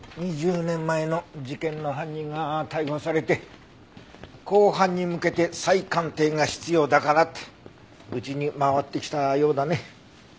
２０年前の事件の犯人が逮捕されて公判に向けて再鑑定が必要だからってうちに回ってきたようだね。